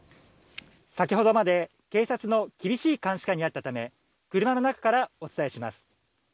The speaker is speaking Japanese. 先ほどまで警察の厳しい監視下にあったため、車の中からお伝えします。